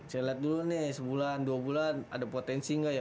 saya lihat dulu nih sebulan dua bulan ada potensi nggak ya